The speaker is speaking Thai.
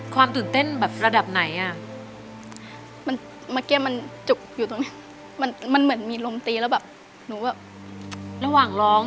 ครั้งกลับมาเมื่อกี้เหมือนกับเนอร์เฟง